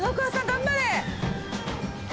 頑張れ！